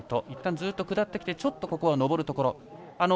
いったんずっと下っていってちょっと上るところ。